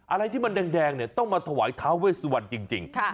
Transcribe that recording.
อะไรที่มันแดงเนี่ยต้องมาถวายท้าเวสวันจริง